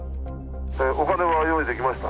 お金は用意できました？